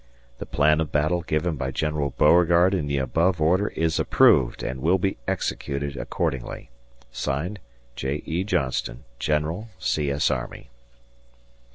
The plan of battle given by General Beauregard in the above order is approved and will be executed accordingly. (Signed) J. E. Johnston, General, C. S. Army.